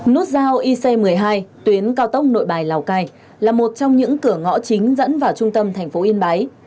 nút giao ic một mươi hai tuyến cao tốc nội bài lào cai là một trong những cửa ngõ chính dẫn vào trung tâm thành phố yên bái